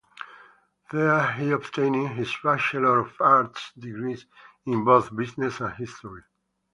There he obtained his Bachelor of Arts degrees in both business and history.